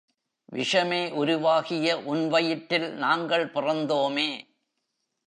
விஷமே உருவாகிய உன் வயிற்றில் நாங்கள் பிறந்தோமே!